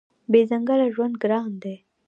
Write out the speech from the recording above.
بې ځنګله ژوند ګران دی.